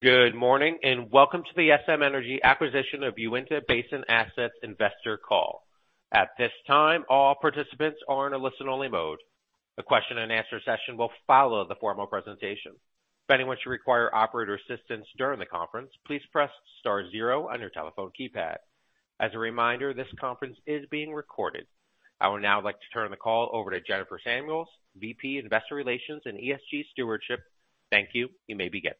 Good morning and welcome to the SM Energy acquisition of Uinta Basin Assets investor call. At this time, all participants are in a listen-only mode. The question-and-answer session will follow the formal presentation. If anyone should require operator assistance during the conference, please press star zero on your telephone keypad. As a reminder, this conference is being recorded. I would now like to turn the call over to Jennifer Samuels, VP Investor Relations and ESG Stewardship. Thank you. You may begin.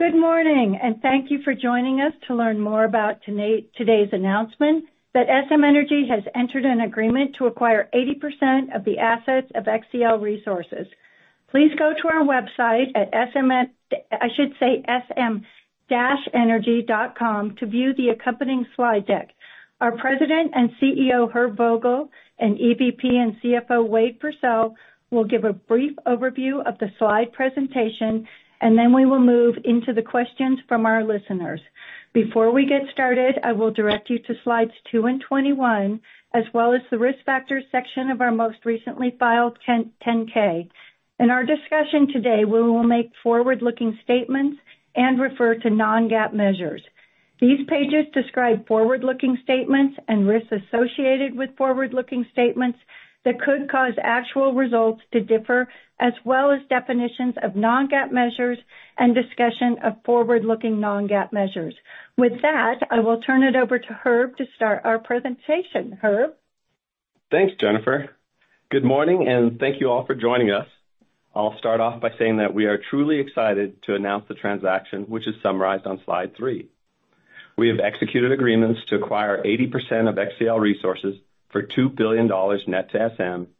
Good morning and thank you for joining us to learn more about today's announcement that SM Energy has entered an agreement to acquire 80% of the assets of XCL Resources. Please go to our website at SM Energy dot com to view the accompanying slide deck. Our President and CEO, Herb Vogel, and EVP and CFO, Wade Pursell, will give a brief overview of the slide presentation, and then we will move into the questions from our listeners. Before we get started, I will direct you to Slides 2 and 21, as well as the risk factors section of our most recently filed 10-K. In our discussion today, we will make forward-looking statements and refer to non-GAAP measures. These pages describe forward-looking statements and risks associated with forward-looking statements that could cause actual results to differ, as well as definitions of non-GAAP measures and discussion of forward-looking non-GAAP measures. With that, I will turn it over to Herb to start our presentation. Herb. Thanks, Jennifer. Good morning and thank you all for joining us. I'll start off by saying that we are truly excited to announce the transaction, which is summarized on slide 3. We have executed agreements to acquire 80% of XCL Resources for $2 billion net to SM,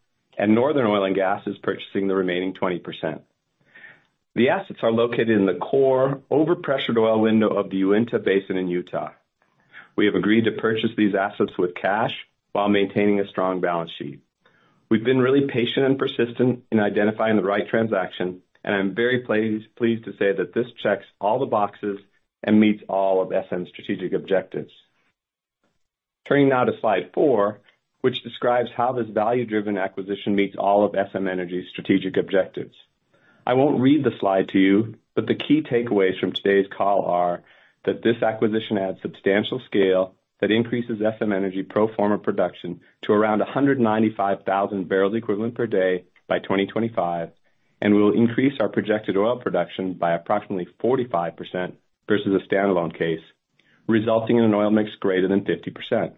and Northern Oil and Gas is purchasing the remaining 20%. The assets are located in the core over-pressured oil window of the Uinta Basin in Utah. We have agreed to purchase these assets with cash while maintaining a strong balance sheet. We've been really patient and persistent in identifying the right transaction, and I'm very pleased to say that this checks all the boxes and meets all of SM's strategic objectives. Turning now to Slide 4, which describes how this value-driven acquisition meets all of SM Energy's strategic objectives. I won't read the slide to you, but the key takeaways from today's call are that this acquisition adds substantial scale that increases SM Energy pro forma production to around 195,000 bbls equivalent per day by 2025, and will increase our projected oil production by approximately 45% versus a standalone case, resulting in an oil mix greater than 50%.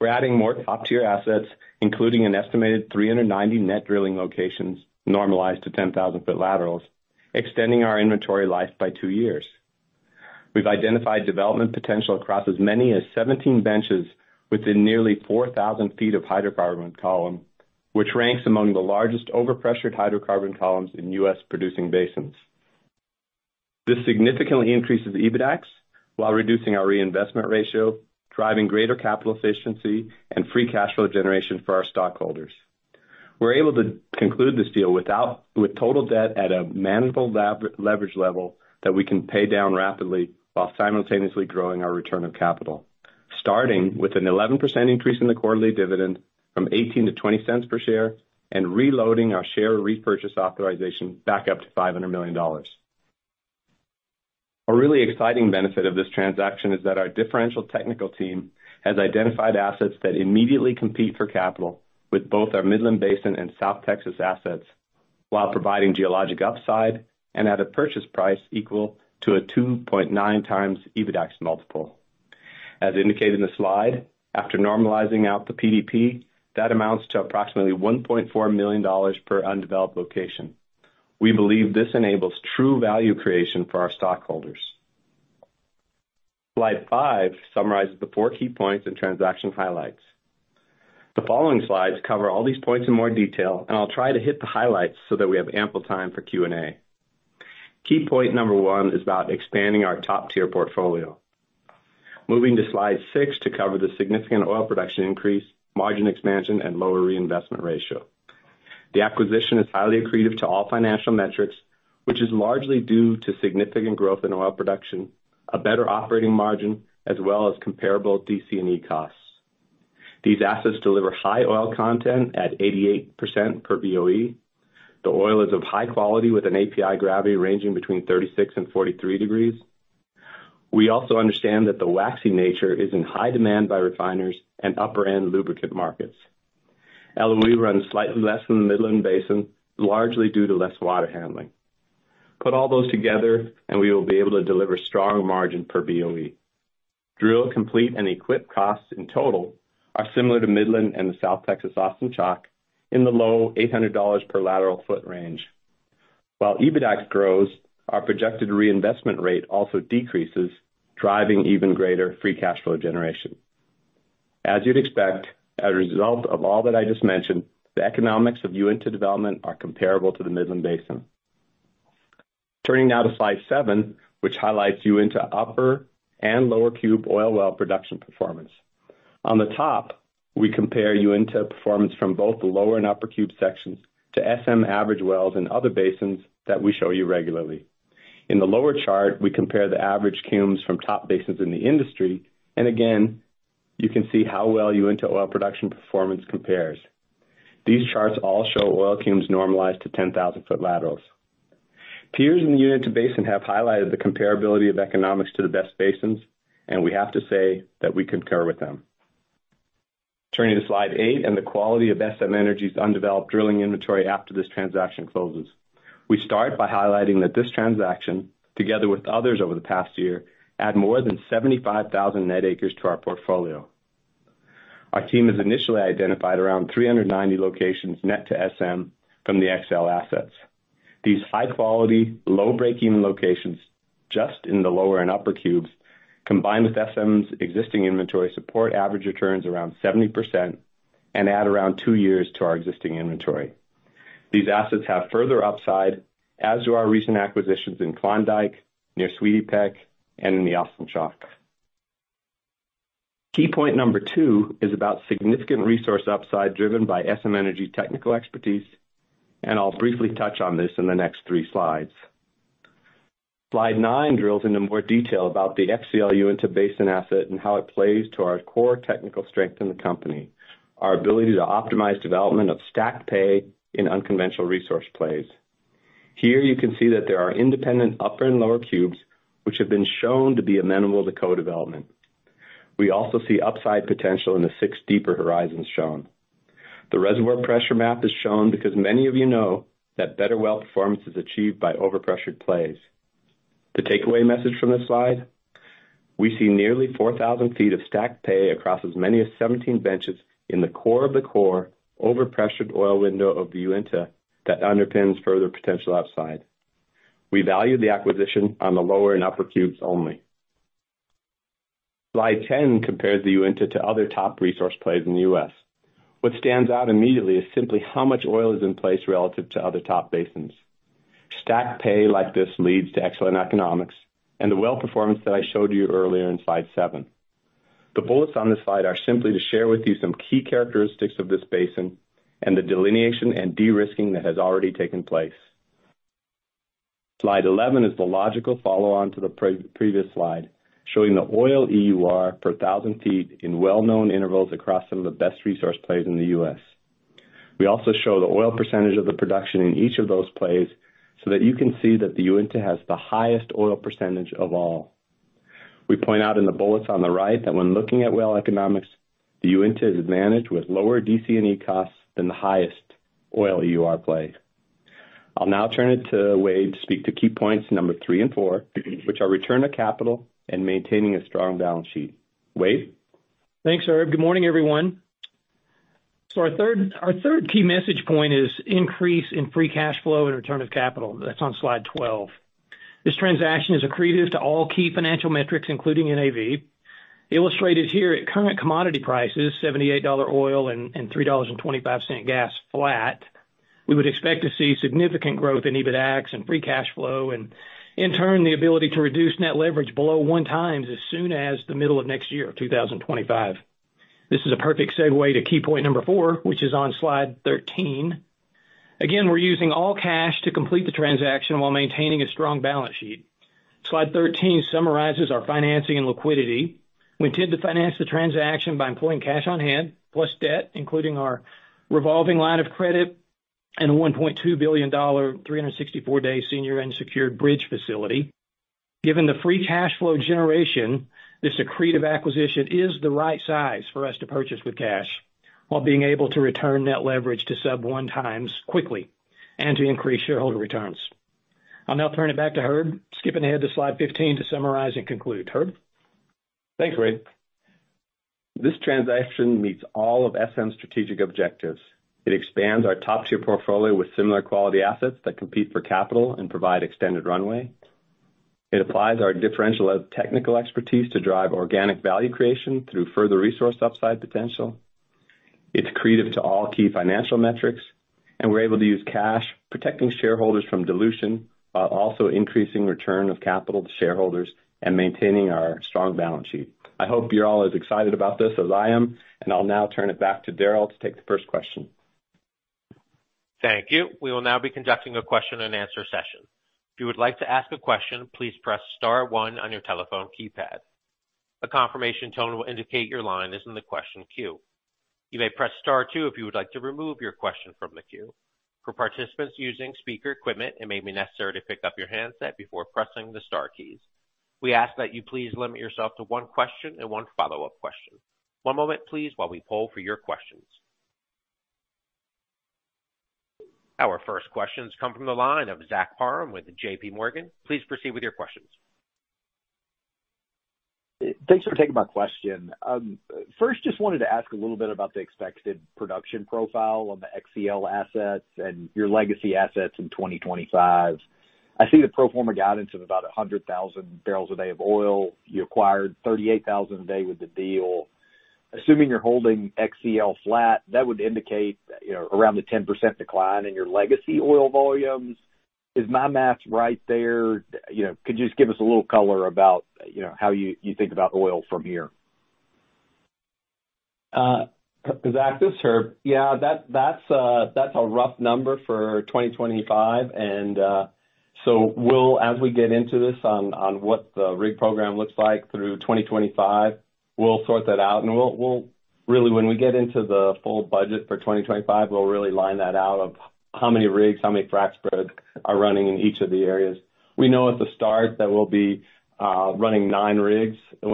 We're adding more top-tier assets, including an estimated 390 net drilling locations normalized to 10,000-ft laterals, extending our inventory life by two years. We've identified development potential across as many as 17 benches within nearly 4,000 ft of hydrocarbon column, which ranks among the largest over-pressured hydrocarbon columns in U.S. producing basins. This significantly increases EBITDA while reducing our reinvestment ratio, driving greater capital efficiency and free cash flow generation for our stockholders. We're able to conclude this deal with total debt at a manageable leverage level that we can pay down rapidly while simultaneously growing our return of capital, starting with an 11% increase in the quarterly dividend from $0.18-$0.20 cents per share and reloading our share repurchase authorization back up to $500 million. A really exciting benefit of this transaction is that our differential technical team has identified assets that immediately compete for capital with both our Midland Basin and South Texas assets while providing geologic upside and at a purchase price equal to a 2.9x EBITDA multiple. As indicated in the slide, after normalizing out the PDP, that amounts to approximately $1.4 million per undeveloped location. We believe this enables true value creation for our stockholders. Slide 5 summarizes the four key points and transaction highlights. The following slides cover all these points in more detail, and I'll try to hit the highlights so that we have ample time for Q&A. Key point number one is about expanding our top-tier portfolio. Moving to Slide 6 to cover the significant oil production increase, margin expansion, and lower reinvestment ratio. The acquisition is highly accretive to all financial metrics, which is largely due to significant growth in oil production, a better operating margin, as well as comparable DC&E costs. These assets deliver high oil content at 88% per BOE. The oil is of high quality with an API gravity ranging between 36-43 degrees. We also understand that the waxy nature is in high demand by refiners and upper-end lubricant markets. LOE runs slightly less than the Midland Basin, largely due to less water handling. Put all those together, and we will be able to deliver strong margin per BOE. Drill, complete, and equip costs in total are similar to Midland and the South Texas Austin Chalk in the low $800 per lateral foot range. While EBITDA grows, our projected reinvestment rate also decreases, driving even greater free cash flow generation. As you'd expect, as a result of all that I just mentioned, the economics of Uinta development are comparable to the Midland Basin. Turning now to Slide 7, which highlights Uinta upper and lower cube oil well production performance. On the top, we compare Uinta performance from both the lower and upper cube sections to SM average wells in other basins that we show you regularly. In the lower chart, we compare the average cums from top basins in the industry, and again, you can see how well Uinta oil production performance compares. These charts all show oil curves normalized to 10,000-ft laterals. Peers in the Uinta Basin have highlighted the comparability of economics to the best basins, and we have to say that we concur with them. Turning to Slide 8 and the quality of SM Energy's undeveloped drilling inventory after this transaction closes. We start by highlighting that this transaction, together with others over the past year, adds more than 75,000 net acres to our portfolio. Our team has initially identified around 390 locations net to SM from the XCL assets. These high-quality, low-breakeven locations just in the lower and upper cubes, combined with SM's existing inventory, support average returns around 70% and add around two years to our existing inventory. These assets have further upside as do our recent acquisitions in Klondike, near Sweetie Peck, and in the Austin Chalk. Key point number two is about significant resource upside driven by SM Energy technical expertise, and I'll briefly touch on this in the next three slides. Slide 9 drills into more detail about the XCL Uinta Basin asset and how it plays to our core technical strength in the company, our ability to optimize development of stacked pay in unconventional resource plays. Here you can see that there are independent upper and lower cubes, which have been shown to be amenable to co-development. We also see upside potential in the six deeper horizons shown. The reservoir pressure map is shown because many of you know that better well-performance is achieved by over-pressured plays. The takeaway message from this slide: we see nearly 4,000 ft of stacked pay across as many as 17 benches in the core of the core over-pressured oil window of the Uinta that underpins further potential upside. We value the acquisition on the lower and upper cubes only. Slide 10 compares the Uinta to other top resource plays in the U.S. What stands out immediately is simply how much oil is in place relative to other top basins. Stacked pay like this leads to excellent economics and the well performance that I showed you earlier in Slide 7. The bullets on this slide are simply to share with you some key characteristics of this basin and the delineation and de-risking that has already taken place. Slide 11 is the logical follow-on to the previous slide, showing the oil EUR per 1,000 ft in well-known intervals across some of the best resource plays in the U.S. We also show the oil percentage of the production in each of those plays so that you can see that the Uinta has the highest oil percentage of all. We point out in the bullets on the right that when looking at well economics, the Uinta is advantaged with lower DC&E costs than the highest oil EUR play. I'll now turn it to Wade to speak to key points number three and four, which are return of capital and maintaining a strong balance sheet. Wade. Thanks, Herb. Good morning, everyone. So our third key message point is increase in free cash flow and return of capital. That's on Slide 12. This transaction is accretive to all key financial metrics, including NAV. Illustrated here at current commodity prices, $78 oil and $3.25 gas flat, we would expect to see significant growth in EBITDA and free cash flow and, in turn, the ability to reduce net leverage below 1x as soon as the middle of next year, 2025. This is a perfect segue to key point number four, which is on Slide 13. Again, we're using all cash to complete the transaction while maintaining a strong balance sheet. Slide 13 summarizes our financing and liquidity. We intend to finance the transaction by employing cash on hand plus debt, including our revolving line of credit and a $1.2 billion, 364-day senior unsecured bridge facility. Given the free cash flow generation, this accretive acquisition is the right size for us to purchase with cash while being able to return net leverage to sub-1x quickly and to increase shareholder returns. I'll now turn it back to Herb, skipping ahead to Slide 15 to summarize and conclude. Herb. Thanks, Wade. This transaction meets all of SM's strategic objectives. It expands our top-tier portfolio with similar quality assets that compete for capital and provide extended runway. It applies our differential of technical expertise to drive organic value creation through further resource upside potential. It's accretive to all key financial metrics, and we're able to use cash, protecting shareholders from dilution while also increasing return of capital to shareholders and maintaining our strong balance sheet. I hope you're all as excited about this as I am, and I'll now turn it back to Daryl to take the first question. Thank you. We will now be conducting a question-and-answer session. If you would like to ask a question, please press star one on your telephone keypad. A confirmation tone will indicate your line is in the question queue. You may press star two if you would like to remove your question from the queue. For participants using speaker equipment, it may be necessary to pick up your handset before pressing the star keys. We ask that you please limit yourself to one question and one follow-up question. One moment, please, while we poll for your questions. Our first questions come from the line of Zach Parham with JPMorgan. Please proceed with your questions. Thanks for taking my question. First, just wanted to ask a little bit about the expected production profile on the XCL assets and your legacy assets in 2025. I see the pro forma guidance of about 100,000 bbls a day of oil. You acquired 38,000 a day with the deal. Assuming you're holding XCL flat, that would indicate around a 10% decline in your legacy oil volumes. Is my math right there? Could you just give us a little color about how you think about oil from here? Zach, this is Herb. Yeah, that's a rough number for 2025. And so as we get into this on what the rig program looks like through 2025, we'll sort that out. And really, when we get into the full budget for 2025, we'll really line that out of how many rigs, how many fracs are running in each of the areas. We know at the start that we'll be running nine rigs in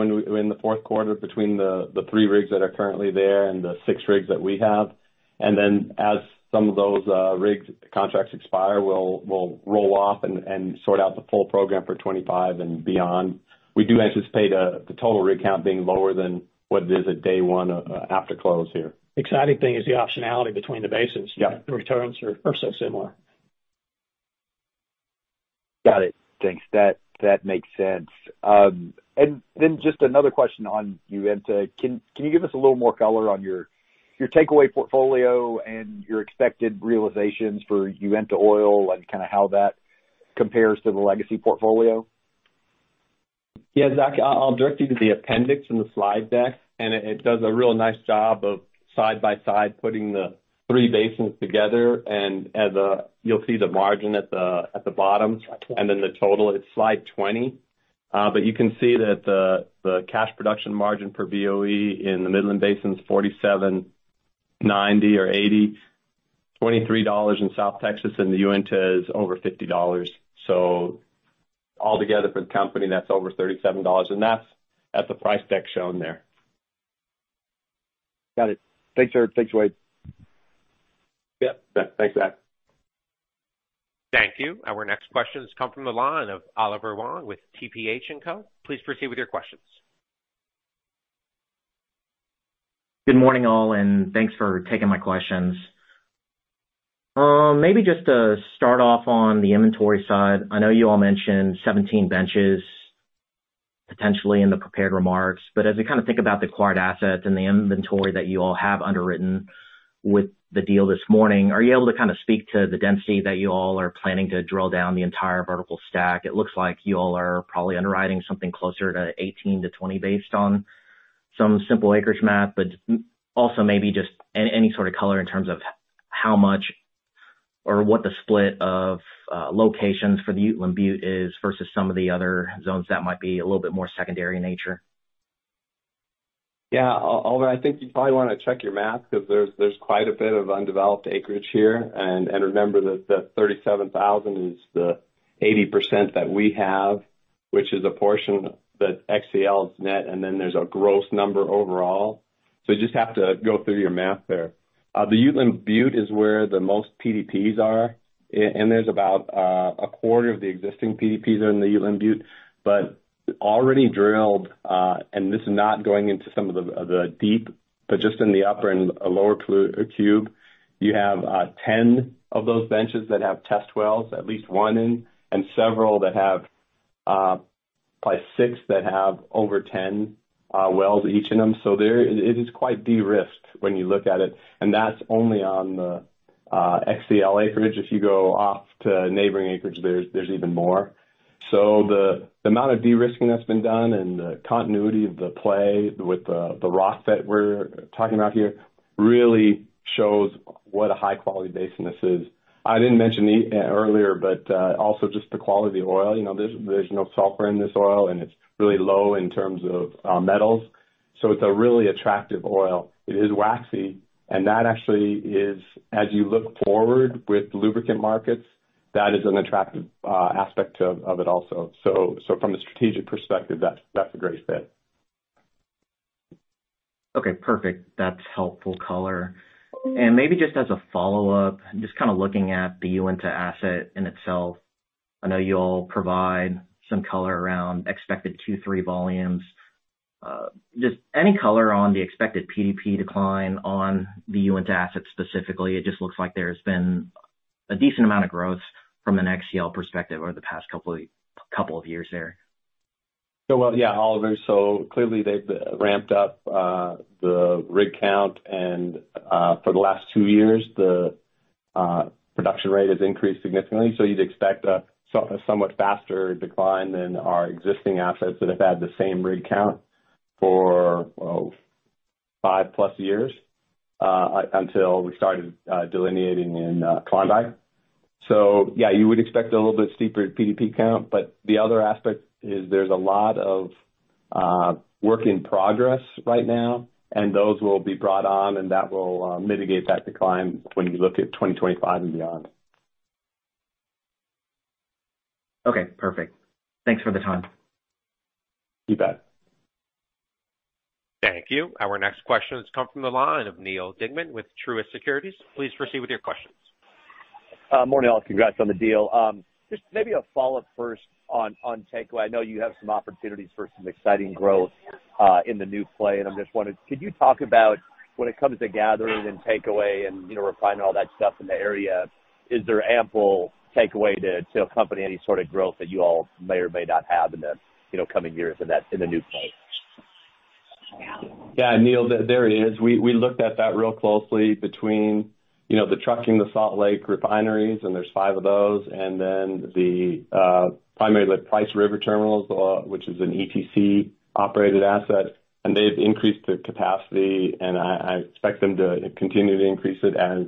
the fourth quarter between the three rigs that are currently there and the six rigs that we have. And then as some of those rig contracts expire, we'll roll off and sort out the full program for 2025 and beyond. We do anticipate the total rig count being lower than what it is at day one after close here. Exciting thing is the optionality between the basins. The returns are so similar. Got it. Thanks. That makes sense. And then just another question on Uinta. Can you give us a little more color on your takeaway portfolio and your expected realizations for Uinta oil and kind of how that compares to the legacy portfolio? Yeah, Zach, I'll direct you to the appendix in the slide deck, and it does a real nice job of side by side putting the three basins together. And you'll see the margin at the bottom and then the total. It's Slide 20. But you can see that the cash production margin per BOE in the Midland Basin is $47.90 or $80. $23 in South Texas and the Uinta is over $50. So altogether for the company, that's over $37. And that's at the price deck shown there. Got it. Thanks, Herb. Thanks, Wade. Yep. Thanks, Zach. Thank you. Our next questions come from the line of Oliver Huang with TPH & Co. Please proceed with your questions. Good morning, all, and thanks for taking my questions. Maybe just to start off on the inventory side, I know you all mentioned 17 benches potentially in the prepared remarks. But as you kind of think about the acquired assets and the inventory that you all have underwritten with the deal this morning, are you able to kind of speak to the density that you all are planning to drill down the entire vertical stack? It looks like you all are probably underwriting something closer to 18-20 based on some simple acreage math, but also maybe just any sort of color in terms of how much or what the split of locations for the Uteland Butte is versus some of the other zones that might be a little bit more secondary in nature. Yeah, Oliver, I think you probably want to check your math because there's quite a bit of undeveloped acreage here. And remember that the 37,000 is the 80% that we have, which is a portion that XCL's net, and then there's a gross number overall. So you just have to go through your math there. The Uteland Butte is where the most PDPs are, and there's about a quarter of the existing PDPs are in the Uteland Butte. But already drilled, and this is not going into some of the deep, but just in the upper and lower cube, you have 10 of those benches that have test wells, at least 1 in, and several that have probably six that have over 10 wells each in them. So it is quite de-risked when you look at it. And that's only on the XCL acreage. If you go off to neighboring acreage, there's even more. So the amount of de-risking that's been done and the continuity of the play with the rock that we're talking about here really shows what a high-quality basin this is. I didn't mention earlier, but also just the quality of the oil. There's no sulfur in this oil, and it's really low in terms of metals. So it's a really attractive oil. It is waxy, and that actually is, as you look forward with lubricant markets, that is an attractive aspect of it also. So from a strategic perspective, that's a great fit. Okay, perfect. That's helpful color. And maybe just as a follow-up, just kind of looking at the Uinta asset in itself, I know you all provide some color around expected Q3 volumes. Just any color on the expected PDP decline on the Uinta asset specifically. It just looks like there's been a decent amount of growth from an XCL perspective over the past couple of years there. Well, yeah, Oliver, so clearly they've ramped up the rig count, and for the last two years, the production rate has increased significantly. So you'd expect a somewhat faster decline than our existing assets that have had the same rig count for five plus years until we started delineating in Klondike. So yeah, you would expect a little bit steeper PDP count. But the other aspect is there's a lot of work in progress right now, and those will be brought on, and that will mitigate that decline when you look at 2025 and beyond. Okay, perfect. Thanks for the time. You bet. Thank you. Our next questions come from the line of Neil Dingmann with Truist Securities. Please proceed with your questions. Morning, all. Congrats on the deal. Just maybe a follow-up first on takeaway. I know you have some opportunities for some exciting growth in the new play, and I'm just wondering, could you talk about when it comes to gathering and takeaway and refining all that stuff in the area, is there ample takeaway to accompany any sort of growth that you all may or may not have in the coming years in the new play? Yeah, Neil, there is. We looked at that real closely between the trucking, the Salt Lake refineries, and there's five of those, and then the primarily Price River terminals, which is an ETC-operated asset, and they've increased the capacity, and I expect them to continue to increase it as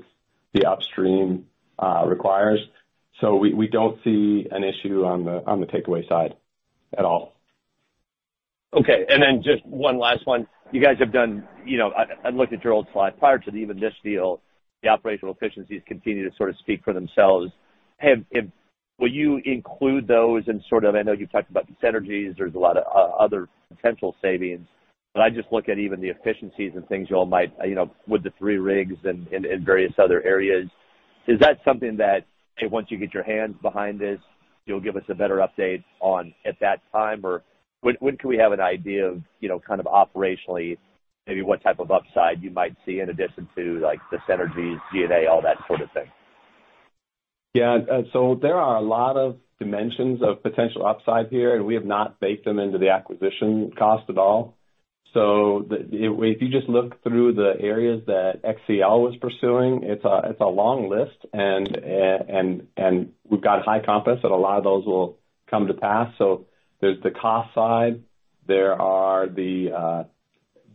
the upstream requires. So we don't see an issue on the takeaway side at all. Okay. And then just one last one. You guys have done. I looked at your old slide. Prior to even this deal, the operational efficiencies continue to sort of speak for themselves. Will you include those in sort of? I know you've talked about the synergies. There's a lot of other potential savings. But I just look at even the efficiencies and things you all might with the three rigs and various other areas. Is that something that once you get your hands behind this, you'll give us a better update on at that time? Or when can we have an idea of kind of operationally, maybe what type of upside you might see in addition to the synergies, G&A, all that sort of thing? Yeah. So there are a lot of dimensions of potential upside here, and we have not baked them into the acquisition cost at all. So if you just look through the areas that XCL was pursuing, it's a long list, and we've got high confidence that a lot of those will come to pass. So there's the cost side. There are the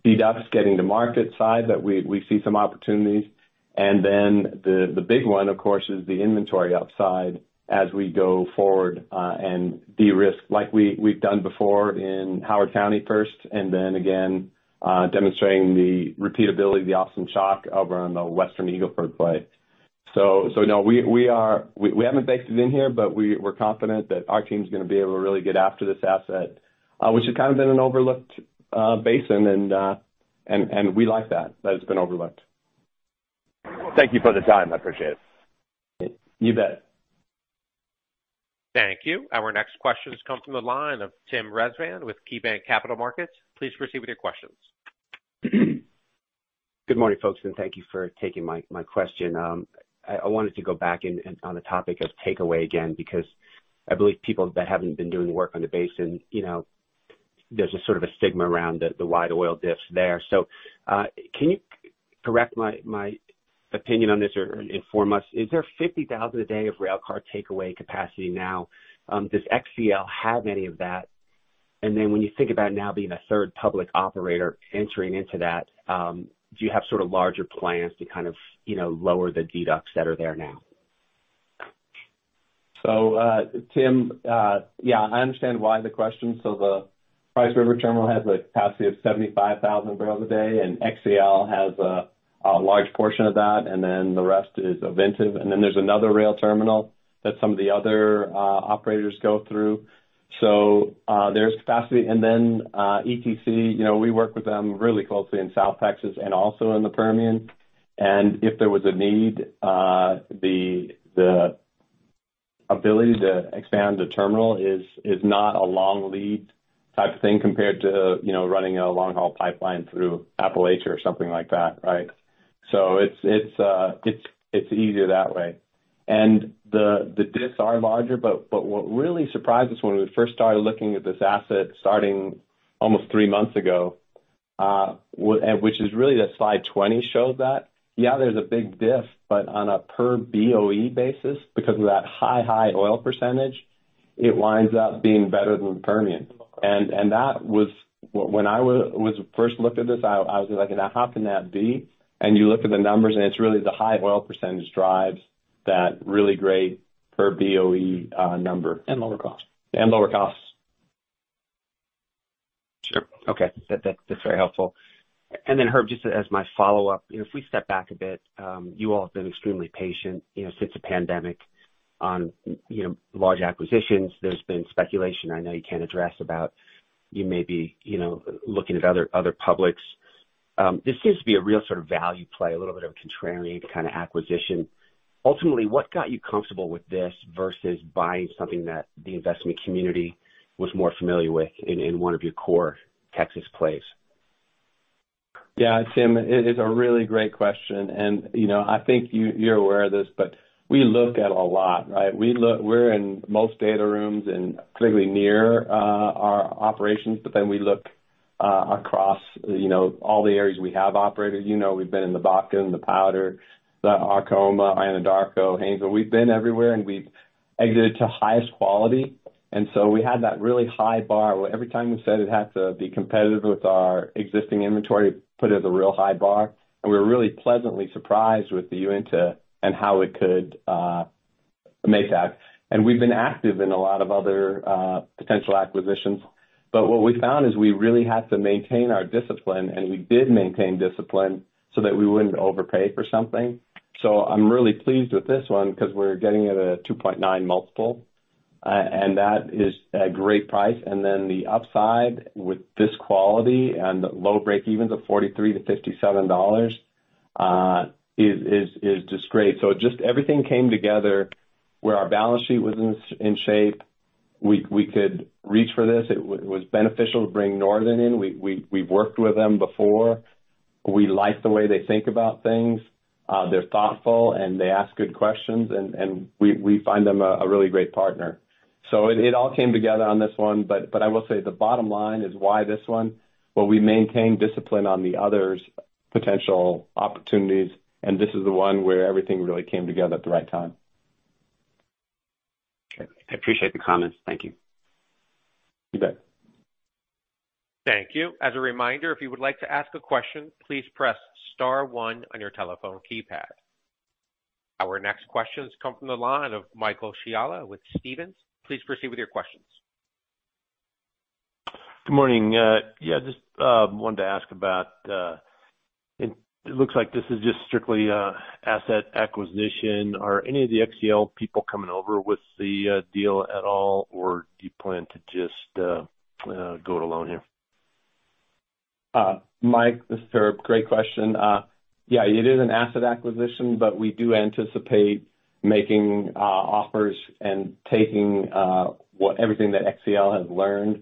DUCs getting to market side that we see some opportunities. And then the big one, of course, is the inventory upside as we go forward and de-risk like we've done before in Howard County first, and then again demonstrating the repeatability, the Austin Chalk over on the Western Eagle Ford play. So no, we haven't baked it in here, but we're confident that our team's going to be able to really get after this asset, which has kind of been an overlooked basin, and we like that, that it's been overlooked. Thank you for the time. I appreciate it. You bet. Thank you. Our next questions come from the line of Tim Rezvan with KeyBanc Capital Markets. Please proceed with your questions. Good morning, folks, and thank you for taking my question. I wanted to go back on the topic of takeaway again because I believe people that haven't been doing the work on the basin, there's a sort of a stigma around the wide oil diffs there. So can you correct my opinion on this or inform us? Is there 50,000 a day of railcar takeaway capacity now? Does XCL have any of that? And then when you think about now being a third public operator entering into that, do you have sort of larger plans to kind of lower the DUCs that are there now? So Tim, yeah, I understand why the question. So the Price River terminal has a capacity of 75,000 bbls a day, and XCL has a large portion of that, and then the rest is Ovintiv. And then there's another rail terminal that some of the other operators go through. So there's capacity. And then ETC, we work with them really closely in South Texas and also in the Permian. And if there was a need, the ability to expand the terminal is not a long lead type of thing compared to running a long-haul pipeline through Appalachia or something like that, right? So it's easier that way. And the diffs are larger, but what really surprised us when we first started looking at this asset starting almost three months ago, which is really that Slide 20 shows that, yeah, there's a big diff, but on a per BOE basis, because of that high, high oil percentage, it winds up being better than the Permian. And that was when I first looked at this, I was like, "Now, how can that be?" And you look at the numbers, and it's really the high oil percentage drives that really great per BOE number. And lower cost. Lower costs. Sure. Okay. That's very helpful. And then, Herb, just as my follow-up, if we step back a bit, you all have been extremely patient since the pandemic on large acquisitions. There's been speculation, I know you can't address about you may be looking at other publics. This seems to be a real sort of value play, a little bit of a contrarian kind of acquisition. Ultimately, what got you comfortable with this versus buying something that the investment community was more familiar with in one of your core Texas plays? Yeah, Tim, it's a really great question. And I think you're aware of this, but we look at a lot, right? We're in most data rooms and consistently near our operations, but then we look across all the areas we have operated. You know we've been in the Bakken, the Powder, the Arkoma, Anadarko, Haynesville. We've been everywhere, and we've exited to highest quality. And so we had that really high bar. Every time we said it had to be competitive with our existing inventory, put it as a real high bar. And we were really pleasantly surprised with the Uinta and how it could make that. And we've been active in a lot of other potential acquisitions. But what we found is we really had to maintain our discipline, and we did maintain discipline so that we wouldn't overpay for something. So I'm really pleased with this one because we're getting at a 2.9x multiple, and that is a great price. And then the upside with this quality and the low breakevens of $43-$57 is just great. So just everything came together where our balance sheet was in shape. We could reach for this. It was beneficial to bring Northern in. We've worked with them before. We like the way they think about things. They're thoughtful, and they ask good questions, and we find them a really great partner. So it all came together on this one. But I will say the bottom line is why this one, well, we maintained discipline on the others' potential opportunities, and this is the one where everything really came together at the right time. Okay. I appreciate the comments. Thank you. You bet. Thank you. As a reminder, if you would like to ask a question, please press star one on your telephone keypad. Our next questions come from the line of Michael Scialla with Stephens. Please proceed with your questions. Good morning. Yeah, just wanted to ask about it looks like this is just strictly asset acquisition. Are any of the XCL people coming over with the deal at all, or do you plan to just go it alone here? Mike, this is Herb. Great question. Yeah, it is an asset acquisition, but we do anticipate making offers and taking everything that XCL has learned,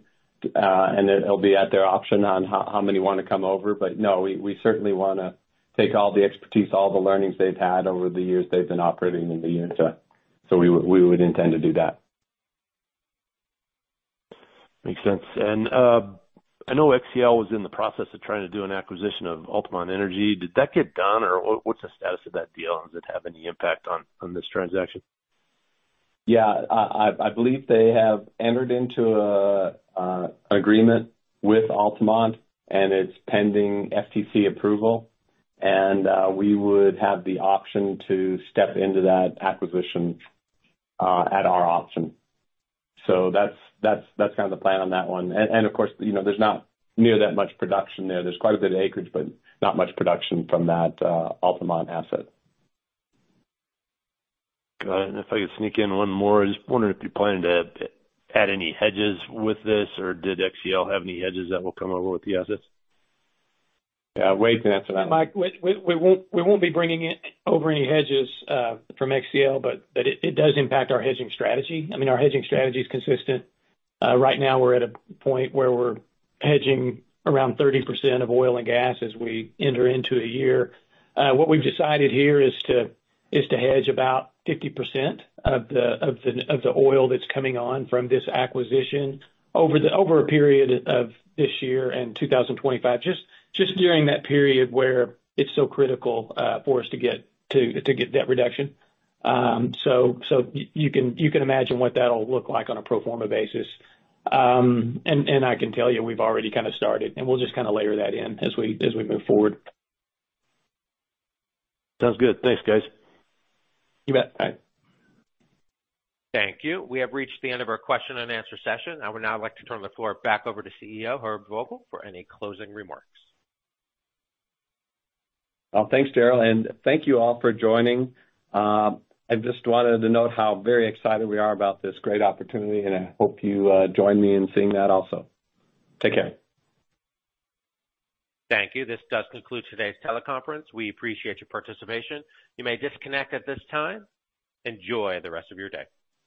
and it'll be at their option on how many want to come over. But no, we certainly want to take all the expertise, all the learnings they've had over the years they've been operating in the Uinta. So we would intend to do that. Makes sense. I know XCL was in the process of trying to do an acquisition of Altamont Energy. Did that get done, or what's the status of that deal, and does it have any impact on this transaction? Yeah, I believe they have entered into an agreement with Altamont, and it's pending FTC approval. We would have the option to step into that acquisition at our option. That's kind of the plan on that one. Of course, there's not near that much production there. There's quite a bit of acreage, but not much production from that Altamont asset. Got it. If I could sneak in one more, I'm just wondering if you plan to add any hedges with this, or did XCL have any hedges that will come over with the assets? Yeah, Wade can answer that. Mike, we won't be bringing over any hedges from XCL, but it does impact our hedging strategy. I mean, our hedging strategy is consistent. Right now, we're at a point where we're hedging around 30% of oil and gas as we enter into a year. What we've decided here is to hedge about 50% of the oil that's coming on from this acquisition over a period of this year and 2025, just during that period where it's so critical for us to get that reduction. So you can imagine what that'll look like on a pro forma basis. And I can tell you we've already kind of started, and we'll just kind of layer that in as we move forward. Sounds good. Thanks, guys. You bet. Bye. Thank you. We have reached the end of our question-and-answer session. I would now like to turn the floor back over to CEO Herb Vogel for any closing remarks. Thanks, Daryl. Thank you all for joining. I just wanted to note how very excited we are about this great opportunity, and I hope you join me in seeing that also. Take care. Thank you. This does conclude today's teleconference. We appreciate your participation. You may disconnect at this time. Enjoy the rest of your day.